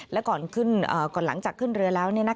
และก่อนหลังจากขึ้นเรือแล้ว